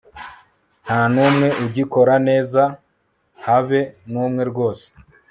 nta n'umwe ugikora neza, habe n'umwe rwose